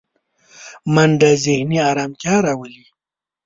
منډه ذهني ارامتیا راولي